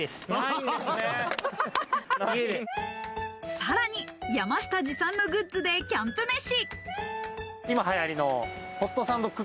さらに山下持参のグッズでキャンプ飯。